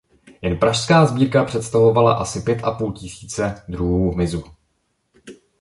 Jen pražská sbírka představovala asi pět a půl tisíce druhů hmyzu.